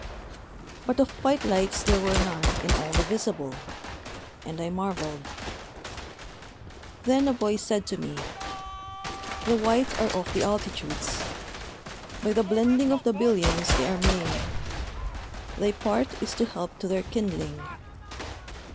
But of white lights there were none in all the Visible. And I marvelled. Then a Voice said to me: "The White are of the Altitudes. By the blending of the billions they are made. Thy part is to help to their kindling.